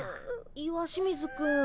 石清水くん。